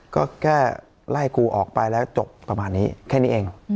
ก็แค่ไล่กูออกไปแล้วจบประมาณนี้แค่นี้เอง